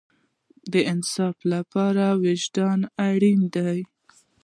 د انصاف لپاره وجدان اړین دی